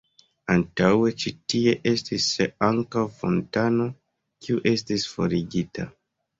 Antaŭe ĉi tie estis ankaŭ fontano, kiu estis forigita.